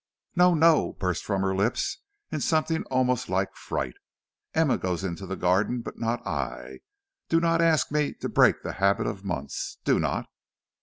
"No, no!" burst from her lips in something almost like fright. "Emma goes into the garden, but not I. Do not ask me to break the habit of months, do not."